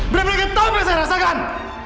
bener bener gak tau apa yang saya rasakan